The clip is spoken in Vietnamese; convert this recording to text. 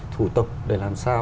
thủ tục để làm sao